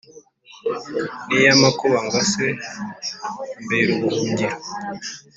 N’ iy’ amakub’ angose, Amber’ ubuhungiro,